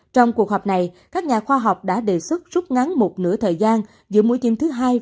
trong cuộc họp này các nhà khoa học đã đề xuất rút ngắn một nửa thời gian giữa mũi thiêm thứ hai